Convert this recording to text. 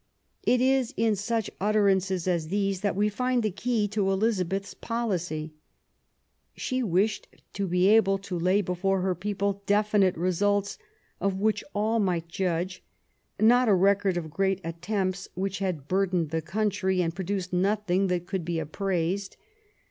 It is in such utterances as these that we find the key to Elizabeth's policy. She wished to be able to lay before her people definite results of which all might judge, not a record of great attempts which had burdened the country and pro duced nothing that could be appraised.